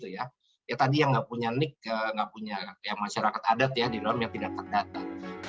yang tadi nggak punya nik nggak punya masyarakat adat di dalam yang tidak terdata